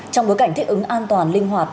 trong bối cảnh thiết ứng an toàn linh hoạt